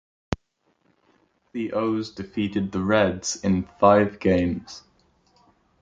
The O's defeated the Reds in five games.